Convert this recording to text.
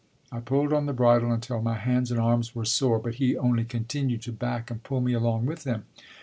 I pulled on the bridle until my hands and arms were sore, but he only continued to back and pull me along with him.